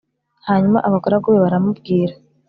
Hanyuma abagaragu be baramubwira